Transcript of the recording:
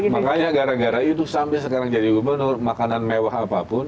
makanya gara gara itu sampai sekarang jadi gubernur makanan mewah apapun